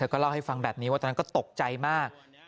ก็เล่าให้ฟังแบบนี้ว่าตอนนั้นก็ตกใจมาก